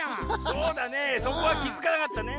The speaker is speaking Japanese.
そうだねそこはきづかなかったね。